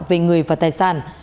về người và tài sản